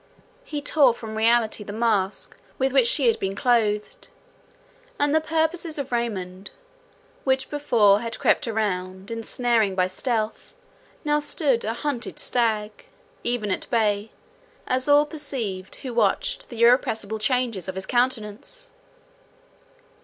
He tore from reality the mask with which she had been clothed; and the purposes of Raymond, which before had crept around, ensnaring by stealth, now stood a hunted stag—even at bay—as all perceived who watched the irrepressible changes of his countenance.